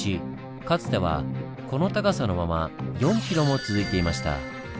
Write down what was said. かつてはこの高さのまま４ｋｍも続いていました。